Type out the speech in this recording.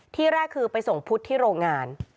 ที่แรกคือไปส่งพุทธที่โรงงาน